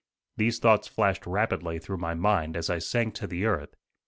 These thoughts flashed rapidly through my mind as I sank to the earth.